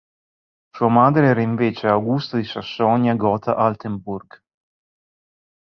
Sua madre era invece Augusta di Sassonia-Gotha-Altenburg.